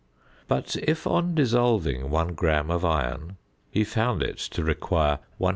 But if on dissolving 1 gram of iron, he found it to require 100.